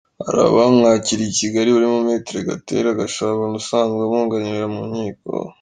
Hari abamwakiriye i Kigali barimo Maitre Gatera Gashabana usanzwe amwunganira mu Nkiko.